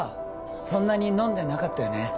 そんなに飲んでなかったよね？